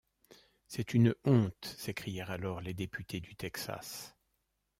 C’est une honte! s’écrièrent alors les députés du Texas.